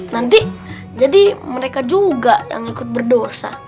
nanti jadi mereka juga yang ikut berdosa